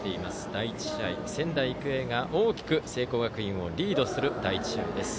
第１試合、仙台育英が大きく聖光学院をリードする第１試合です。